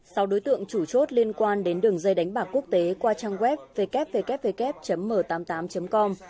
sau đối tượng chủ chốt liên quan đến đường dây đánh bạc quốc tế qua trang web www m tám mươi tám com